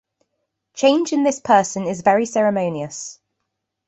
Changing this person is very ceremonious.